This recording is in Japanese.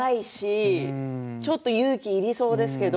ちょっと勇気いりそうですけれど。